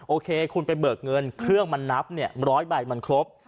โอเคคุณไปเบิกเงินเครื่องมันนับเนี่ย๑๐๐ใบมันครบ